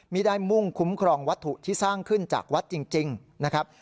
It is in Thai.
ไม่ได้มุ่งคุ้มครองวัตถุที่สร้างขึ้นจากวัดจริงนะครับ